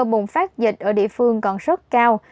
nguy cơ bổng phát dịch ở địa phương còn rất cao